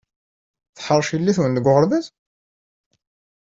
Teḥṛec yelli-twen deg uɣerbaz?